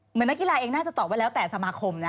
เหมือนนักกีฬาเองน่าจะตอบไว้แล้วแต่สมาคมนะ